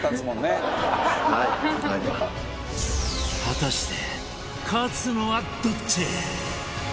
果たして勝つのはどっち？